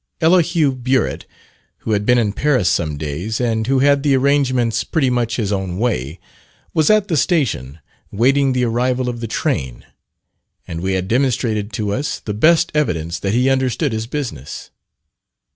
Elihu Burritt, who had been in Paris some days, and who had the arrangements there pretty much his own way, was at the station waiting the arrival of the train, and we had demonstrated to us, the best evidence that he understood his business.